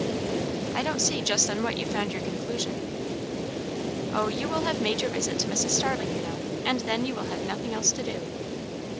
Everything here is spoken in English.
"I don't see just on what you found your conclusion." "O, you will have made your visit to Mrs. Starling, you know; and then you will have nothing else to do."